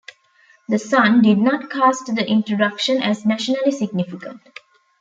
The "Sun" did not cast the introduction as nationally significant.